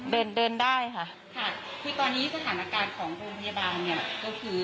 เดินเดินได้ค่ะค่ะคือตอนนี้สถานการณ์ของโรงพยาบาลเนี่ยก็คือ